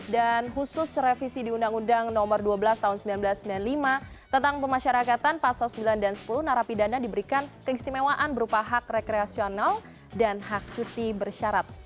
dan khusus revisi di undang undang nomor dua belas tahun seribu sembilan ratus sembilan puluh lima tentang pemasyarakatan pasal sembilan dan sepuluh narapi dana diberikan keistimewaan berupa hak rekreasional dan hak cuti bersyarat